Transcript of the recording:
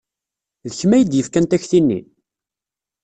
D kemm ay d-yefkan takti-nni?